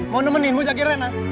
mau nemeninmu jagi rena